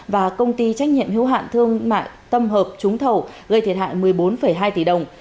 và công ty trách nhiệm hiếu hạn thương mại tâm hợp trúng thầu gây thiệt hại một mươi bốn hai tỷ đồng